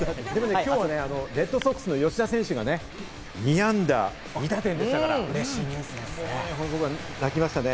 今日はレッドソックスの吉田選手が２安打２打点でしたから、僕はもう泣きましたね。